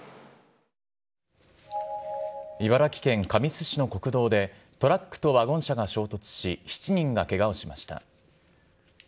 茨城県神栖市の国道で、トラックとワゴン車が衝突し、７人がけがをしました。